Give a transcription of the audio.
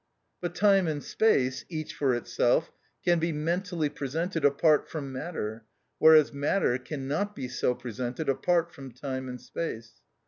But time and space, each for itself, can be mentally presented apart from matter, whereas matter cannot be so presented apart from time and space.